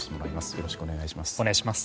よろしくお願いします。